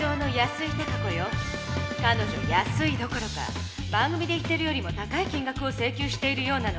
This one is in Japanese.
かのじょ安いどころか番組で言ってるよりも高い金額をせいきゅうしているようなの。